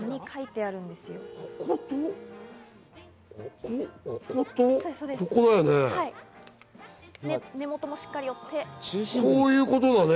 こことここだよね？